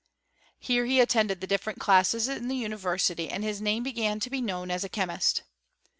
Here he attended the different classes in the university, and his name begsii to be known as a chemist.